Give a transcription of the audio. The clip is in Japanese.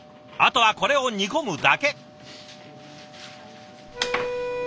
あとはこれを煮込むだけ。